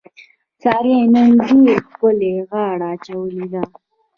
سارې نن ډېره ښکلې غاړه اچولې ده.